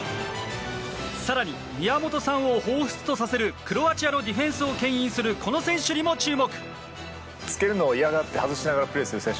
更に、宮本さんをほうふつとさせるクロアチアのディフェンスをけん引するこの選手にも注目。